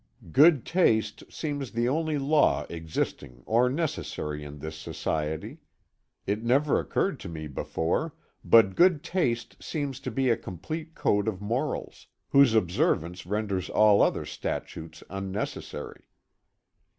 Good taste seems the only law existing or necessary in this society. It never occurred to me before, but good taste seems to be a complete code of morals, whose observance renders all other statutes unnecessary.